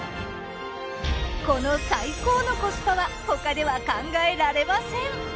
この最高のコスパは他では考えられません。